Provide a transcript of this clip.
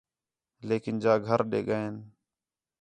لیکن جا گھر ݙڳئن